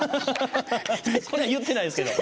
これ言ってないですけど。